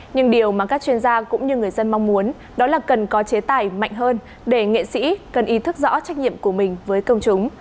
nhưng điều mà các chuyên gia cũng như người dân mong muốn đó là cần có chế tài mạnh hơn để nghệ sĩ cần ý thức rõ trách nhiệm của mình với công chúng